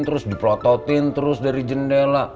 terus diplototin terus dari jendela